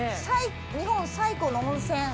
日本最古の温泉。